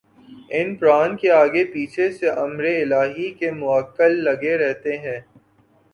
ان پران کے آگے پیچھے سے امرِالٰہی کے مؤکل لگے رہتے ہیں